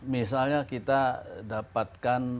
misalnya kita dapatkan